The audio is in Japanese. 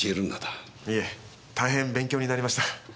いえ大変勉強になりました。